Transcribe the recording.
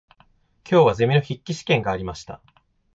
今日はゼミの筆記試験がありました。